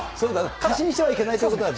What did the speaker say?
過信してはいけないということだよね。